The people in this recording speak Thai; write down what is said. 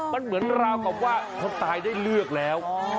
มันเหมือนราว่าผู้ตายได้เลือกแล้ว